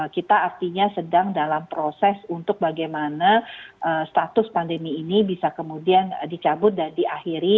kita artinya sedang dalam proses untuk bagaimana status pandemi ini bisa kemudian dicabut dan diakhiri